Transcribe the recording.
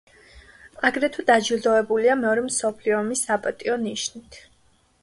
აგრეთვე დაჯილდოებულია მეორე მსოფლიო ომის „საპატიო ნიშნით“.